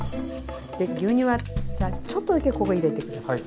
牛乳はちょっとだけここ入れて下さい。